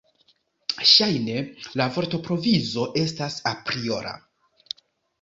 Ŝajne la vortprovizo estas apriora.